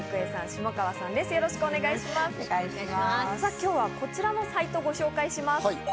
今日はこちらのサイトをご紹介します。